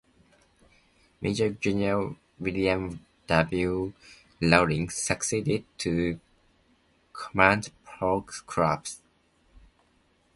Major General William W. Loring succeeded to command Polk's corps.